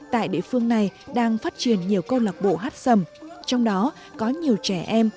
tại địa phương này đang phát triển nhiều câu lạc bộ hát sầm trong đó có nhiều trẻ em